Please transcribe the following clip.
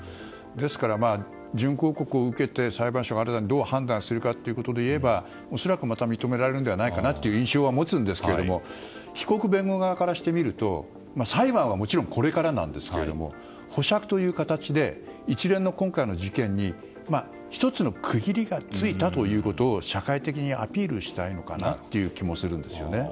ですから、準抗告を受けて裁判所がどう判断するかということで言えば恐らく認められると思いますが被告、弁護側からしてみると裁判はもちろんこれからなんですが保釈という形で一連の今回の事件に１つの区切りがついたということを社会的にアピールしたい気もするんですね。